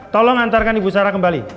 tolong antarkan ibu sarah kembali